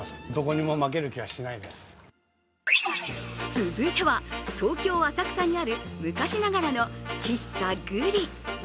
続いては、東京・浅草にある昔ながらの喫茶ぐり。